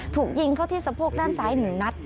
ถูกยิงเข้าที่สะโพกด้านซ้าย๑นัด